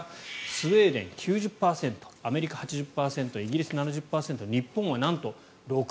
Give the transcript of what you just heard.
スウェーデン、９０％アメリカ、８０％イギリス、７０％日本はなんと６％。